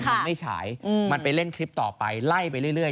มันไม่ฉายมันไปเล่นคลิปต่อไปไล่ไปเรื่อย